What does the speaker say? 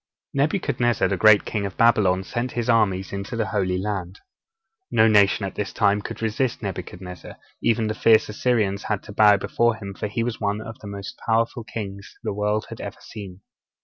Nebuchadnezzar, the great king of Babylon, sent his armies into the Holy Land. No nation at this time could resist Nebuchadnezzar; even the fierce Assyrians had to bow before him, for he was one of the most powerful kings the world has ever seen.